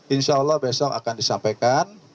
insyaallah besok akan disampaikan